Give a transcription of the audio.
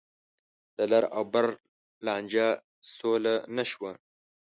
د لر او بر لانجه سوله نه شوه.